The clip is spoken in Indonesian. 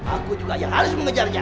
aku juga yang harus mengejarnya